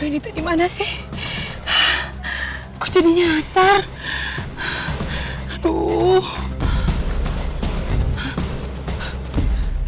ini tadi mana sih kok jadinya asar aduh